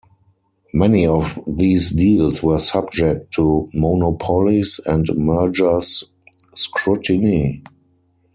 Many of these deals were subject to Monopolies and Mergers scrutiny.